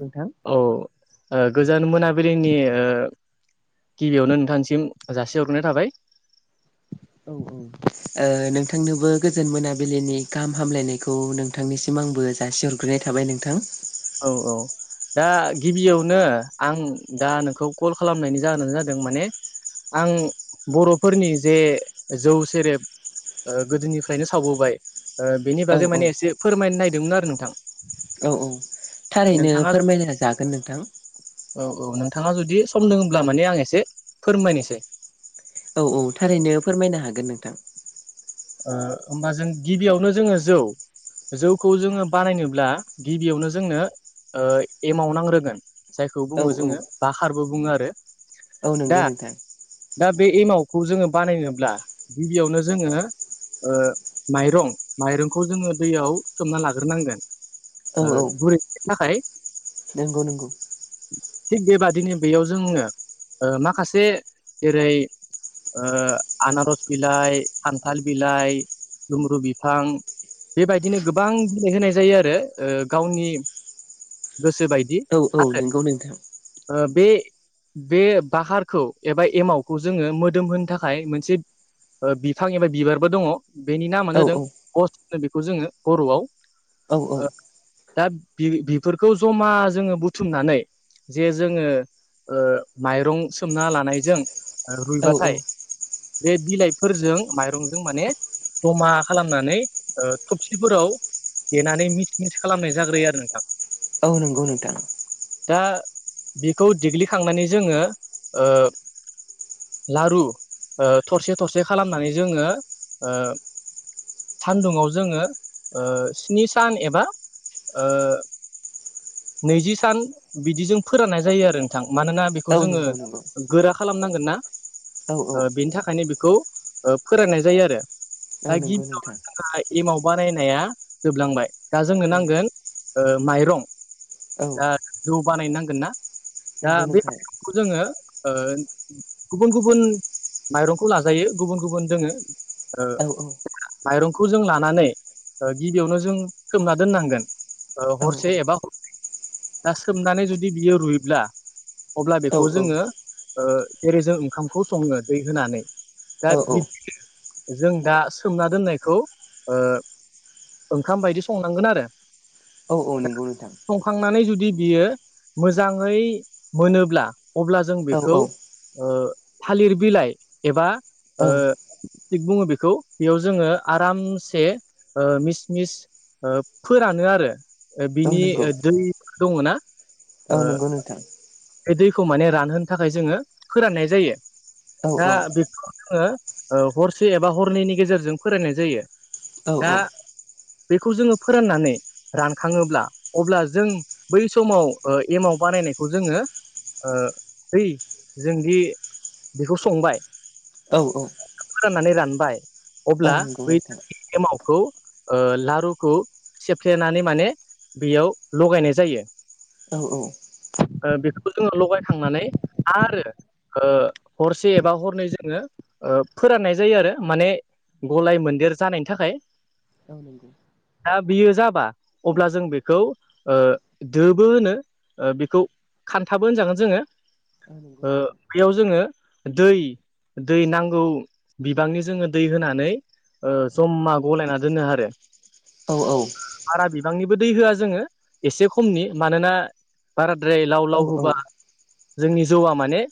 नोंथां औ ओ गोजोन मोनाबिलिनि ओ गिबियावनो नोंथांसिम जासिहरग्रोनाय थाबाय [inaudible] ओ नोंथांनोबो गोजोन मोनाबिलिनि गाहाम हामलायनायखौ नोंथांनिसिम आंबो जासिहर ग्रोनाय थाबाय नोंथां। औ औ दा गिबियावनो आं दा नोंखौ कल खालामनायनि जाहोनानो जादों माने आं बर'फोरनि जे जौ सेरेब ओ गोदोनिफ्रायनो सावबोबाय ओ बेनि औ बागै औ माने एसे फोरमायनो नागिरदोंमोन आरो नोंथां। औ औ थारैनो नोंथाङा फोरमायलायना जागोन नोंथां औ औ नोंथाङा जुदि सम दोङब्ला माने आं एसे फोरमायनोसै। औ औ थारैनो फोरमायनो हागोन नोंथां। ओ होमबा जों गिबियावनो जोङो जौ जौखौ जोङो बानायनोब्ला गिबियावनो जोंनो ओ एमाव नांग्रोगोन। जायखौ औ बुङो औ जोङो बाखारबो बुङो आरो। औ दा नंगौ नोंथां। दा बे एमावखौ जोङो बानायनोब्ला गिबियावनो जोङो ओ माइरं, माइरंखौ जोङो दैयाव सोमना लाग्रोनांगोन। औ ओ औ गुरैनो थाखाय नंगौ नंगौ। थिग बेबादिनो बेयाव जोङो ओ माखासे जेरै ओ आनारस बिलाइ, खान्थाल बिलाइ, दुम्ब्रु बिफां बेबायदिनो गोबां बिलाइहोनाय जायो आरो ओ गावनि गोसो बायदि आरो नोगौ नोंथां। ओ बे बे बाहारखौ एबा एमावखौ जोङो मोदोम होनो थाखाय मोनसे बिफां एबा बिबारबो दङ। बेनि औ नामानो जादों औ गस्थ होनो बेखौ जोङो बर'आव ओ औ दा बे बेफोरखौ जमा जोङो बुथुमनानै जे जोङो ओ माइरं सोमना लानायजों औ औ रुइबाथाय बे बिलाइफोरजों माइरंजों माने जमा खालामनानै ओ थबसिफोराव देनानै मिस मिस खालामनाय जाग्रोयो आरो नोंथां। औ नंगौ नोंथां। दा बिखौ देग्लिखांनानै जोङो ओ लारु ओ थरसे थरसे खालामनानै जोङो ओ सान्दुङाव जोङो ओ स्नि सान एबा ओ नैजि सान बिदि जों फोराननाय जायो आरो नोंथां मानोना बेखौ औ जोङो नंगौ नंगौ गोरा खालामनांगोन ना। औ औ ओ बेनि थाखायनो बेखौ ओ फोराननाय जायो आरो औ बा नंगौ नोंथां गिबियावनो जोंहा एमाव बानायनाया जोबलांबाय दा जोंनो औ नांगोन ओ माइरं औ दा जौ बानायनांगोन ना दा नंगौ बे नोंथां खौ जोङो ओ गुबुन गुबुन माइरंखौ लाजायो गुबुन गुबुन दोङो ओ औ माइरंखौ जों लानानै गिबियावनो जों खोमना दोननांगोन। औ हरसे एबा हर नै बा सोमनानै जुदि बियो रुइब्ला अब्ला बेखौ जोङो ओ एरै जों ओंखामखौ सङो दै होनानै। दा औ बि जों दा सोमना दोननायखौ ओ ओंखाम बायदि संनांगोन आरो। औ औ नोंगौ नोंथां। संखांनानै जुदि बियो मोजाङै मोनोब्ला अब्ला जों औ बेखौ औ ओ थालिर बिलाइ एबा औ ओ थिग बुङो बेखौ बेयाव जोङो आरामसे ओ मिस मिस ओ फोरानो आरो बिनि दै दङ ना। ओ नंगौ नोंथां। बे दैखौ माने रानहोनो थाखाय जोङो फोराननाय जायो औ दा औ बेखौ जोङो ओ हरसे एबा हरनैनि गेजेरजों फोरायनाय जायो औ दा बेखौ जोङो फोराननानै रानखाङोब्ला अब्ला जों बै समाव ओ एमाव बानायनायखौ जोङो ओ बै जोंदि बेखौ संबाय औ औ फोराननानै रानबाय औ अब्ला नंगौ बै नोंथां एमावखौ ओ लारुखौ सेफ्लेनानै माने बेयाव लगायनाय जायो औ औ ओ बेखौ जोङो लगायखांनानै आरो ओ हरसे एबा हरनै जोङो ओ फोराननाय जायो आरो माने गलाय मोन्देर जानायनि थाखाय औ नंगौ दा बियो जाबा अब्ला जों बेखौ दो बो होनो बेखौ खान्थाबो होनजागोन जोङो औ नंगौ ओ नोंथां बेयाव जोङो दै दै नांगौ बिबांनि जोङो दै होनानै ओ जमा गलायना दोननो आरो औ औ बारा बिबांनिबो दै होआ जोङो एसे खमनि मानोना बाराद्राय लाव औ लाव होबा जोंनि जौआ माने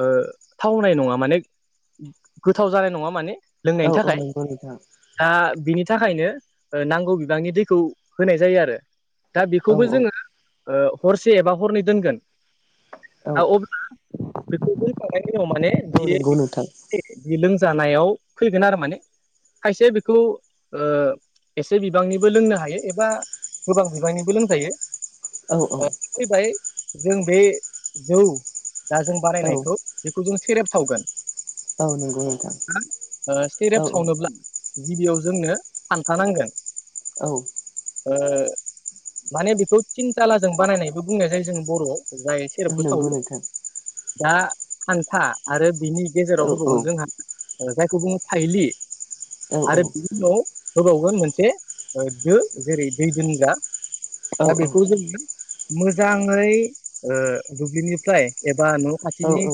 थावनाय नङा माने गोथाव जानाय नङा माने औ लोंनायनि औ थाखाय नंगौ नोंथां दा बिनि थाखायनो नांगौ बिबांनि दैखौ होनाय जायो आरो दा औ बेखौबो औ जोङो हरसे एबा हरनै दोनगोन औ दा अब्ला बेखौ फखांनायनि उनाव माने [inaudible] औ नंगौ नोंथां बियो लोंजानायाव फैगोन आरो माने खायसे बेखौ एसे बिबांनिबो लोंनो हायो एबा गोबां बिबांनिबो लोंजायो औ ओ औ फैबाय जों बे जौ दा जों औ बानायनायखौ बेखौ जों सेरेब सावगोन औ नंगौ नोंथां औ नंगौ नोंथां औ सेरेब नंगौ सावनोब्ला गिबियाव जोंनो खान्थानांगोन औ माने बेखौ थिनथालाजों बानायनायबो बुंनाय जायो जों बर'आव जाय सेरेपखौ सावो नंगौ नोंथां दा खान्था आरो बिनि गेजेराव औ होबावगोन औ औ जोंहा जायखौ बुङो फाइलि आरो उनाव होबावगोन मोनसे दो जेरै दै दोनग्रा औ दा बे नंगौ मोजाङै दुब्लिनिफ्राय एबा न' औ खाथिनि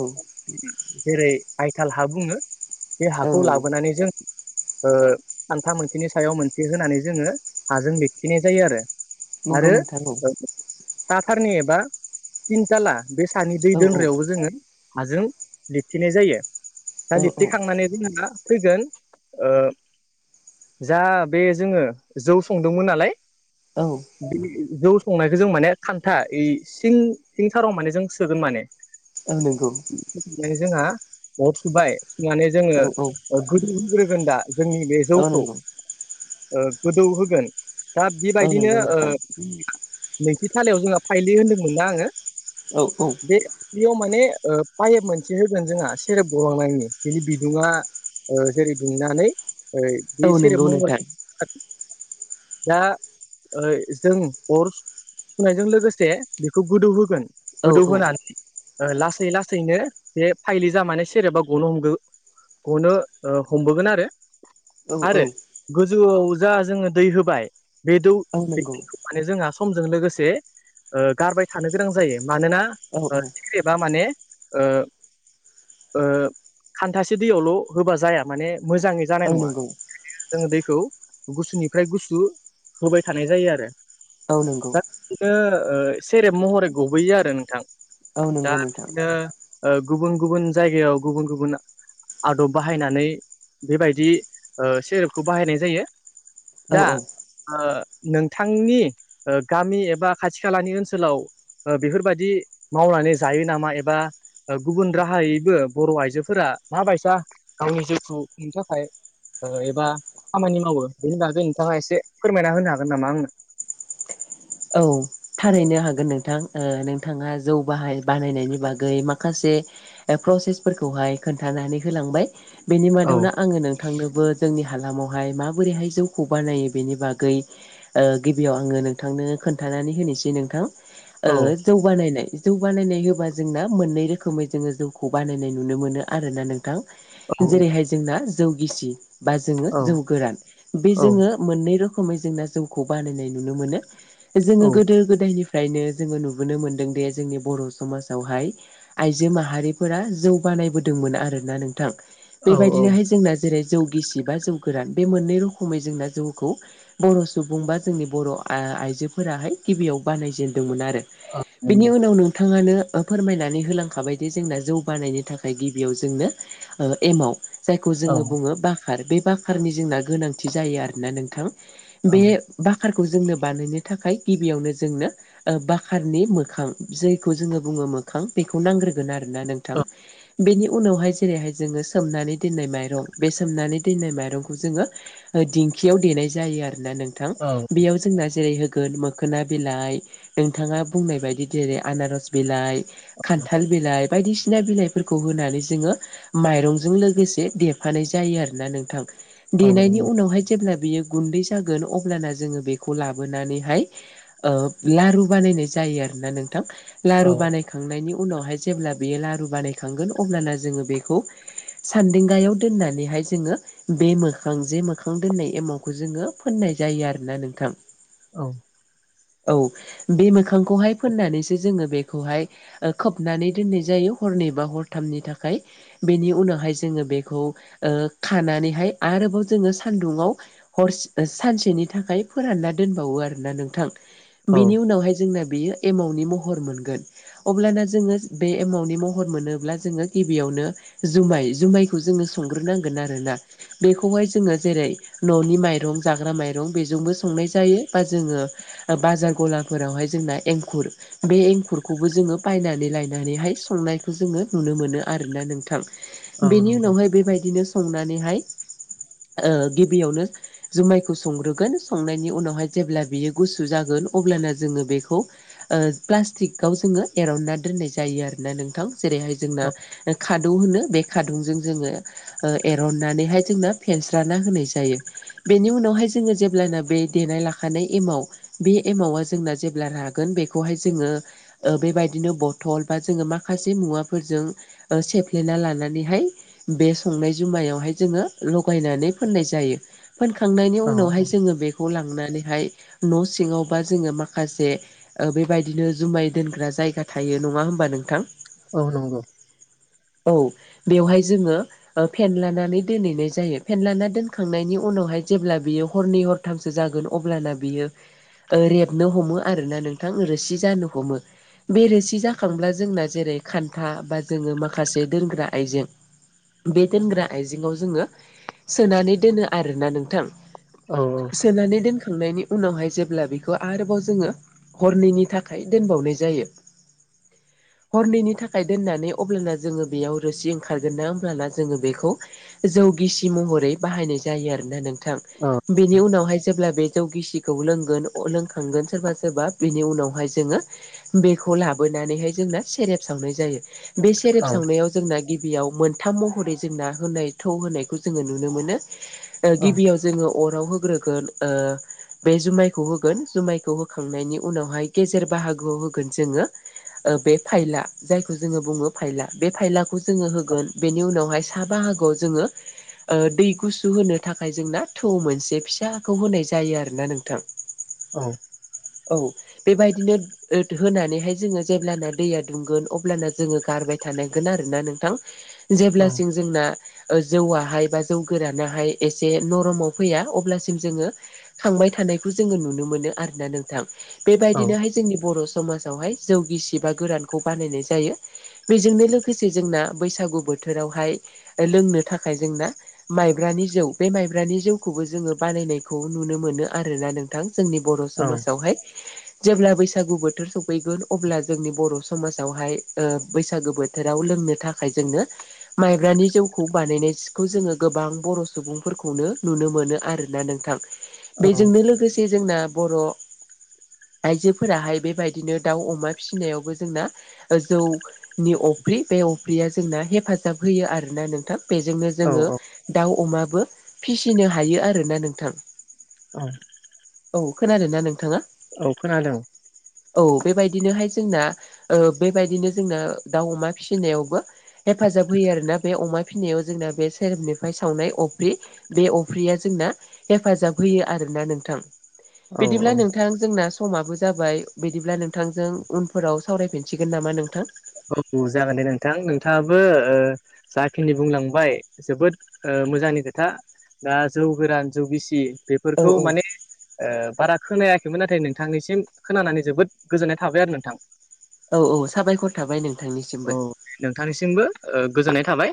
जेरै आइथाल हा बुङो बे औ हाखौ नंगौ लाबोनानै जों खान्था मोनसेनि सायाव मोनसे होनानै जोङो हाजों बेखौ लिरथेनाय जायो आरो औ नंगौ आरो नोंथां साथारनि एबा तिनथाला बे सानि दै औ औ दोनग्रायावबो जोङो हाजों लिरथिनाय जायो दा लिरथिखांनानै जोङो दा फैगोन जा बे जोङो जौ संदोंमोन नालाय औ बि जौ संनायखौ जों माने खान्था ओइ सिं सिंथाराव माने जों सोगोन माने औ नंगौ नानै जोंहा अरबाय सुनानै जोङो गोदौहोग्रोगोन दा जोंनि बे जौखौ गोदौ होगोन दा बेबायदिनो नोंथि थालायाव जोंहा फाइलि होनदोंमोनना आङो औ औ बे बेयाव माने पाइप मोनसे होगोन जोंहा सेरेब गलांनायनि बिनि बिदुङा जेरै दुंनानै ओइ बे औ सेरेब नंगौ महरै नोंथां [unintelligible] दा ओइ जों अर सुनायजों लोगोसे बेखौ गोदौ होगोन औ औ गोदौहोनानै लासै लासैनो बे फाइलि जा माने सेरबा गनो हमदो गनो हमबोगोन आरो औ औ आरो गोजौआव जा जोङो दै होबाय बे दै औ नंगौ [unintelligible] माने जोंहा समजों लोगोसे ओ गारबाय थानो गोनां जायो मानोना औ औ सेरेब बा माने ओ ओ खान्थासे दैयावल' होबाल' जाया माने मोजाङै जानाय औ नङा। नंगौ दानिया जोङो दैखौ गुसुनिफ्राय गुसु होबाय थानाय जायो आरो। औ नंगौ दा बिदिनो ओ सेरेब महरै गबोयो आरो नोंथां औ दा नंगौ नोंथां बिदिनो ओ गुबुन गुबुन जायगायाव गुबुन गुबुन आदब बाहायनानै बेबायदि ओ सेरेपखौ बाहायनाय जायो। औ दा औ ओ नोंथांनि ओ गामि एबा खाथि खालानि ओनसोलाव ओ बेफोरबायदि मावनानै जायो नामा एबा गुबुन राहायैबो बर' आइजोफोरा मा बैयसा गावनि जिउखौ खुंनो थाखाय ओ एबा खामानि मावो बेनि बागै नोंथाङा एसे फोरमायना होनो हागोन नामा आंनो? औ थारैनो हागोन नोंथां ओ नोंथाङा जौ बाहाय बानायनायनि बागै माखासे प्रसेसफोरखौहाय खोन्थानानै होलांबाय बेनि औ मादावनो आङो नों थांनोबो जोंनि हालामावहाय माबोरैहाय जौखौ बानायो बेनि बागै ओ गिबियाव आङो नोंथांनो खोन्थानानै होनोसै नोंथां ओ औ जौ बानायनाय जौ बानायनाय होबा जोंना मोननै रोखोमै जोङो जौखौ बानायनाय नुनो मोनो आरोना नों थां औ जेरैहाय जोंना जौ गिसि बा जोङो औ जौ गोरान बे जोङो मोननै रोखोमै जोंना जौखौ बानायनाय नुनो मोनो जोङो औ गोदो गोदायनि फ्रायनो जोङो नुबोनो मोनदोंदि जोंनि बर' समाजावहाय आइजो माहारिफोरा जौ बानायबोदोंमोन आरोना नोंथां। औ औ बेबायदिनोहाय जोंना जेरै जौ गिसि बा जौ गोरान बे मोननैै रोखोमनि जोंना जौखौ बर' सुबुं बा जोंनि बर' आ आइजो फोराहाय गिबियाव बानायजेेनदोंमोन आरो औ बेनि नंगौ उनावनो नोंथाङानो फोरमायनानै होलांखाबायदि जोंना जौ बानायनो थाखाय गिबियाव जोंनो ओ एमाव जायखौ औ जोङो बुङो बाखार बे बाखारनि जोंना गोनांथि जायो आरोना नोंथां। औ बे बाखारखौ जोंनो बानायनो थाखाय गिबियावनो जोंनो ओ बाकारनि मोखां जैखो जोङो बुङो मोखां बेखौ नांग्रोगोन आरोना नोंथां। बेनि उनावहाय जेरैहाय जोङो सोमनानै दोननाय माइरं बे सोमनानै दोननाय माइरंखौ जोङो ओ दिंखियाव देनाय जायो आरोना नोंथां औ बेयाव जोंना जेरै हो गोन मोखोना बिलाइ नोंथाङा बुंनाय बायदि जेरै आनारस बिलाइ खान्थाल बिलाइ बायदिसिना बिलाइफोरखौ होनानै जोङो माइरंजों लोगोसे देरफानाय जायो आरोना नोंथां। औ देनायनि नंगौ औ उनावहाय जेब्ला बियो गुन्दै जागोन अब्लाना जोङो बेखौ लाबोनानै हाय ओ लारु बानायनाय जायो आरोना नोंथां लारु बानाय खांनायनि उनावहाय जेब्ला बेयो लारु बानायखांगोन अब्लाना जोङो बेखौ सान्देंगायाव दोननानैहाय जोङो बे मोखां जे मोखां दोननाय एमावखौ जोङो फोननाय जायो आरोना नोंथां। औ औ बे मोखांखौहाय फोननानैसो जोङो बेखौहाय ओ खोबनानै दोननाय जायो हरनै बा हरथामनि थाखाय। बेनि उनावहाय जोङो बेखौ ओ खानानैहाय आरोबाव जोङो सान्दुंङाव हरसे सानसेनि थाखाय फोरानना दोनबावो आरो। ना नोंथां औ बेनि उनावहाय जोंना बेयो एमावनि महर मोनगोन। अब्लाना जोङो बे एमावनि महर मोनोब्ला जोङो गिबियावनो जुमाय जुमायखौ जोङो संग्रोनांगोन आरोना बेखौहाय जोङो जेरै न'नि माइरं जाग्रा माइरं बेजोंबो संनाय जायो। बा जोङो बाजार गलाफोरावहाय जोंना एंखुर बे एंखुरखौबो जोङो बायनानै लायनानैहाय संनायखौ जोङो नुनो मोनो आरोना नोंथां। औ बेनि नंगौ उनावहाय बेबायदिनो संनानैहाय ओ गिबियावनो जुमायखौ संग्रोगोन संनायनि उनावहाय जेब्ला बियो गुसु जागोन अब्लाना जोङो बेखौ ओ प्लास्टिकाव जोङो एरनना दोननाय जायो आरोना नोंथां। जेरैहाय जोंना खादौ होनो बे खादुंजों जोङो एरननानैहाय जों मा फेनस्राना होनाय जायो। बेनि उनावहाय जोङो जेब्लायानो बे देनाय ला खानाय एमाव बे एमावा जोंना जेब्ला रागोन बेखौहाय जोङो बेबायदिनो बथल बा जोङो माखासे मुवाफोरजों ओ सेफ्लेना लानानैहाय बे संनाय जुमायावहाय जोङो लगायनानै फोननाय जायो। फोनखांनायनि औ उनावहाय जोङो बेखौ लांनानैहाय न' सिङावबा जोङो माखासे बेबायदिनो जुमाय दोनग्रा जायगा थायो नङा होमबा नोंथां? औ नंगौ। औ बेवहाय जोङो फेनलानानै दोनहैनाय जायो फेनलाना दोनखांनायनि उनावहाय जेब्ला बियो हरनै हरथामसो जागोन अब्लाना बियो ओ रेबनो हमो आरोना नोंथां रोसि जानो हमो। बे रोसि जाखांब्ला जोंना जेरै खान्था बा जोङो माखासे दोनग्रा आइजें बे दोनग्रा आइजेङाव जोङो सोनानै दोनो आरोना नोंथां। औ सोनानै दोनखांनायनि उनावहाय जेब्ला बेखौ आरोबाव जोङो हरनैनि थाखाय दोनबावनाय जायो। [inaudible] हरनैनि थाखाय दोननानै अब्लाना जोङो बेयाव रोसि ओंखारगोन ना होमब्लाना जोङो बेखौ जौ गिसि महरै बाहायनाय जायो आरोना नोंथां औ बेनि उनावहाय जेब्ला बे जौ गिसिखौ लोंगोन लोंखांगोन सोरबा सोरबा बिनि उनावहाय जोङो बेखौ लाबोनानैहाय जोंना सेरेब सावनाय जायो। बे सेरेब औ सावनायाव जोंना गिबियाव मोनथाम महरै जोंना होनाय थौ होनायखौ जोङो नुनो मोनो। औ गिबियाव जोङो अराव होग्रोगोन ओ बे जुमायखौ होगोन जुमायखौ होखांनायनि उनावहाय गेजेर बाहागोआव होगोन जोङो ओ बे फाइला जायखौ जोङो बुङो फायला बे फायलाखौ जोङो होगोन बेनि उनावहाय सा बाहागोआव जोङो दै गुसु होनो थाखाय जोंना थौ मोनसे फिसाखौ होनाय जायो आरोना नोंथां। औ। औ बेबायदिनो होनानैहाय जोङो जेब्लाना दैया दुंगोन अब्लाना जोङो गारबाय थानांगोन आरो ना नोंथां। [inaudible] जेब्लासिम जोंना जौआहाय बा जौ गोरानाहाय एसे नरमाव फैया अब्लासिम जोङो खांबाय थानायखौ जोङो नुनो मोनो आरोना नोंथां। बेबायदिनोहाय जोंनि बर' समाजावहाय जौ गिसि बा गोरानखौ बानायनाय जायो। बेजोंनो लोगोसे जोंना बैसागु बोथोरावहाय लोंनो थाखाय जोंना माइब्रानि जौ बे माइब्रानि जौखौबो जोङो बानायनाय खौ नुनो मोनो आरोना नोंथां जोंनि बर' समाजावहाय। जेब्ला बैसागु बोथोर सफैगोन अब्ला जोंनि बर' समाजावहाय ओ बैसागु बो थोराव लोंनो थाखाय जोंनो माइब्रानि जौखौ बानायनाय सिखौ जोङो गोबां बर' सुबुंफोरखौनो नुनो मोनो आरोना नोंथां। बेजोंनो लोगोसे जोंना बर' आइजोफोराहाय बेबायदिनो दाउ अमा फिसिनायावबो जोंना जौनि अफ्रि बे अफ्रिया जोंना हेफाजाब होयो आरोना नोंथां। बेजोंनो औ जोङो दाउ अमाबो फिसिनो हायो आरोना नोंथां। औ खोनादों ना नोंथाङा? औ खोनादों औ बेबायदिनोहाय जोंना ओ बेबायदिनो जोंना दाउ अमा फिसिनायावबो हेफाजाब होयो आरोना बे अमा फिनायाव जोंना बे सेरोबनिफ्राय सावनाय अफ्रि बे अफ्रिया जोंना हेफाजाब होयो आरोना नोंथां। औ औ बिदिब्ला नोंथां जोंना समाबो जाबाय बिदिब्ला नोंथांजों उनफोराव सावरायफिनसिगोन नामा नोंथां! औ जागोन दे नोंथां नोंथाङाबो ओ जाखिनि बुंलांबाय जोबोद मोजांनि खोथा दा जौ गोरान जौ गिसि औ बेफोरखौ औ माने ओ बारा खोनायाखैमोन नाथाय नोंथांनिसिम खोनानानै जोबोद गोजोननाय थाबाय आरो नोंथां। औ औ साबायखर थाबाय औ नोंथांनिसिमबो नोंथांनिसिमबो गोजोननाय थाबाय।